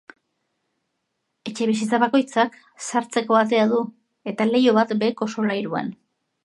Etxebizitza bakoitzak sartzeko atea du eta leiho bat beheko solairuan.